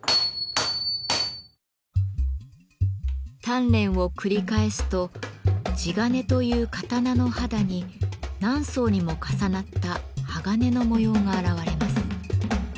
鍛錬を繰り返すと「地鉄」という刀の肌に何層にも重なった鋼の模様が現れます。